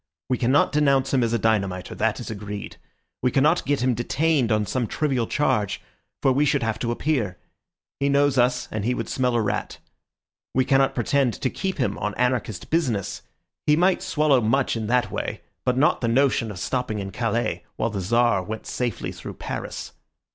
We cannot denounce him as a dynamiter; that is agreed. We cannot get him detained on some trivial charge, for we should have to appear; he knows us, and he would smell a rat. We cannot pretend to keep him on anarchist business; he might swallow much in that way, but not the notion of stopping in Calais while the Czar went safely through Paris.